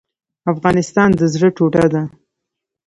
افغانستان د زړه ټوټه ده